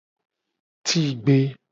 Tigbe.